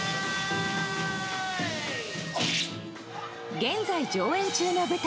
現在上映中の舞台